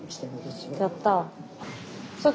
やった。